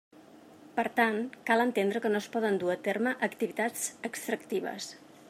Per tant, cal entendre que no es poden dur a terme activitats extractives.